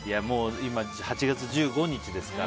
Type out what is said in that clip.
今、８月１５日ですから。